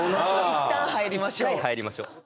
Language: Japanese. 「一回入りましょう」。